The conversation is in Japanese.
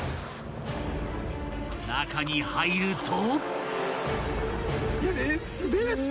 ［中に入ると］